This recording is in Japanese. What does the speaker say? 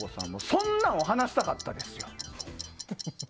そんなんを話したかったですよ。